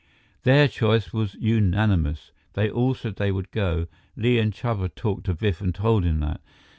Their choice was unanimous. They all said they would go. Li and Chuba talked to Biff and told him that.